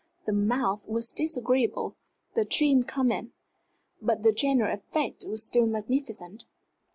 The mouth was disagreeable, the chin common. But the general effect was still magnificent.